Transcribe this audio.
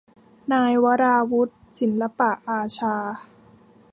นายวราวุธ ศิลปอาชา